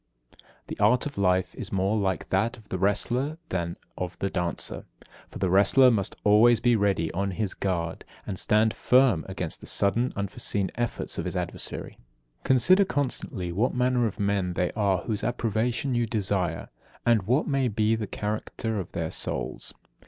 61. The art of Life is more like that of the wrestler than of the dancer; for the wrestler must always be ready on his guard, and stand firm against the sudden, unforeseen efforts of his adversary. 62. Consider constantly what manner of men they are whose approbation you desire, and what may be the character of their souls.